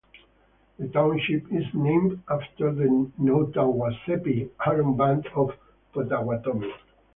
The township is named after the Nottawaseppi Huron Band of Potawatomi.